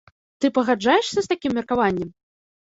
Ты пагаджаешся з такім меркаваннем?